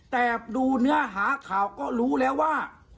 แต่ดูเนื้อหาข่าวก็รู้แล้วว่า